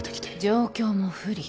状況も不利。